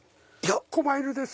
こま犬です。